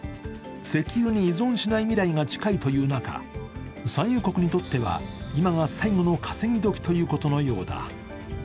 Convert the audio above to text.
石油に依存しない未来が近いという中、産油国にとっては今が最後の稼ぎ時ということのようだ。